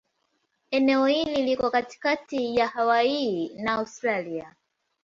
Eneo hili liko katikati ya Hawaii na Australia.